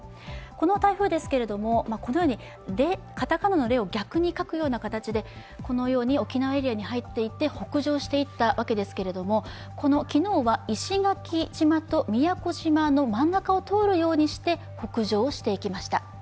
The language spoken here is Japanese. この台風ですけれどもこのようにカタカナのレを逆に描くような形でこのように沖縄エリアへ入っていって北上していったわけですが昨日は石垣島と宮古島の真ん中を通るようにして北上していきました。